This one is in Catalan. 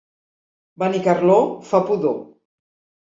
Benicarló fa pudor.